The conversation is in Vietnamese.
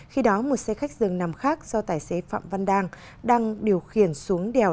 khi đó một xe khách dường nằm khác do tài xế phạm văn đang đang điều khiển xuống đèo